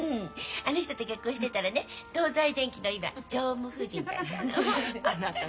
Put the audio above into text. あの人と結婚してたらね東西電機の今常務夫人だったの。